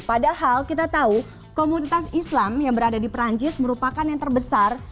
padahal kita tahu komunitas islam yang berada di perancis merupakan yang terbesar